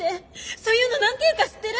そういうの何て言うか知ってる？